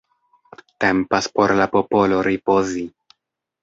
Tempas por la popolo ripozi.